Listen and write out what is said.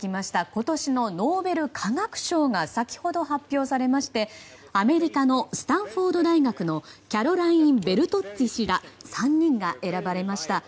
今年のノーベル化学賞が先ほど発表されましてアメリカのスタンフォード大学のキャロライン・ベルトッツィ氏ら３人が選ばれました。